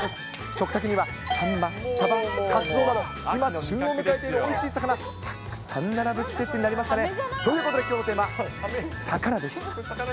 食卓には、サンマ、サバ、カツオ、今、旬を迎えているおいしい魚たくさん並ぶ季節になりましたね。ということできょうのテーマは魚です。